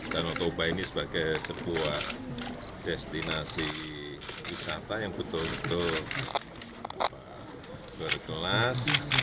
danau toba ini sebagai sebuah destinasi wisata yang betul betul berkelas